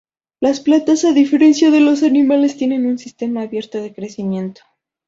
Las plantas, a diferencia de los animales, tienen un sistema abierto de crecimiento.